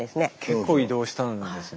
結構移動したんですね。